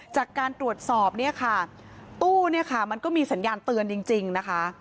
จากการตรวจสอบเนี่ยค่ะตู้เนี่ยค่ะมันก็มีสัญญาณเตือนจริงนะคะ